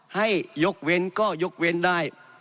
ให้ยกเว้นก็ยกเว้นได้